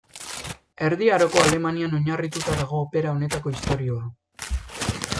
Erdi Aroko Alemanian oinarrituta dago opera honetako istorioa.